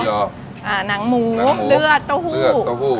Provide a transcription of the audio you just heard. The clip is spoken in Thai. นางหมูเหลือธรรมค์โตหู